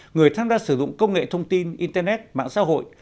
người tham gia sử dụng công nghệ thông tin internet mạng xã hội